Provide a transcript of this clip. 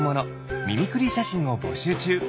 ミミクリーしゃしんをぼしゅうちゅう。